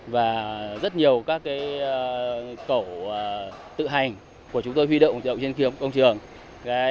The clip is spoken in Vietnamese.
và rất nhiều các cầu tự hành của chúng tôi huy động trên công trường